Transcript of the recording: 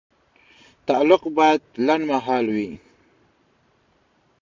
تعلیق باید لنډمهاله وي.